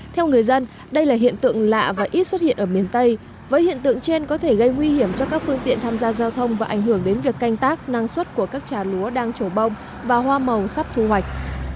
theo người dân đây là hiện tượng lạ và ít xuất hiện ở miền tây với hiện tượng trên có thể gây nguy hiểm cho các phương tiện tham gia giao thông và ảnh hưởng đến việc canh tác năng suất của các trà lúa đang trổ bông và hoa màu sắp thu hoạch